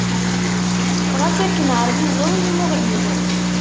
Ɣas akken εzizeḍ i tmuɣli-w.